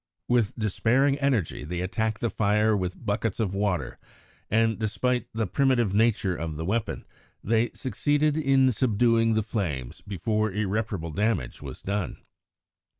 With despairing energy they attacked the fire with buckets of water, and, despite the primitive nature of the weapon, they succeeded in subduing the flames before irreparable damage was done.